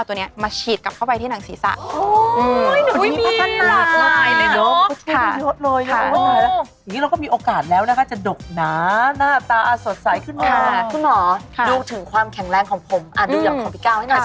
แต่พี่ก้าวเนี่ยดูเส้นผมดูโบสถ์ดึงยังไง